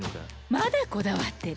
まだこだわってる。